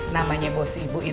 namanya bos ibu itu